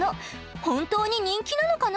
本当に人気なのかな？